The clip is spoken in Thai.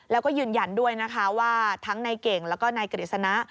แล้วก็ยืนยันด้วยนะคะว่าทั้งนายเก่งแล้วก็นายกฤษณะ